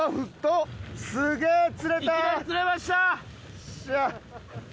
よっしゃ！